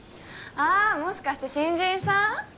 あもしかして新人さん？